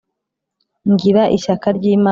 ngira ishyaka ry’Imana